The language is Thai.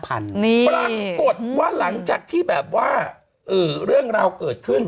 ปรากฏว่าหลังจากที่แบบว่าเรื่องราวเกิดขึ้น